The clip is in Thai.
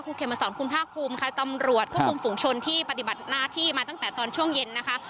คุณเขมสอนคุณภาคภูมิค่ะตำรวจควบคุมฝุงชนที่ปฏิบัติหน้าที่มาตั้งแต่ตอนช่วงเย็นนะคะ